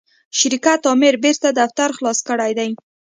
شرکت آمر بیرته دفتر خلاص کړی دی.